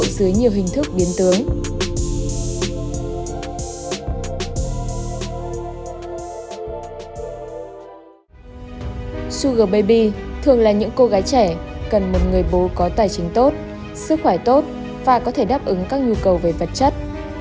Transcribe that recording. xu hướng thường là những cô gái trẻ cần một người bố có tài chính tốt sức khỏe tốt và có thể đáp ứng các nhu cầu về vật chất